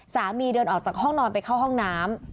เดินออกจากห้องนอนไปเข้าห้องน้ำ